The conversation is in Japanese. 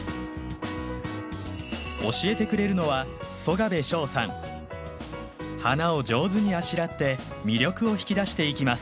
教えてくれるのは花を上手にあしらって魅力を引き出していきます。